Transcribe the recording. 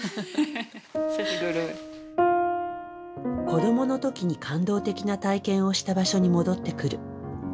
子どもの時に感動的な体験をした場所に戻ってくる。